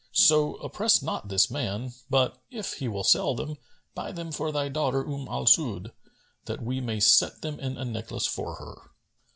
So oppress not this man; but, if he will sell them, buy them for thy daughter Umm al Su'ъd,[FN#248] that we may set them in a necklace for her."